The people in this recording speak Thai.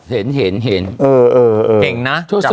เห็นเห็นนะจับได้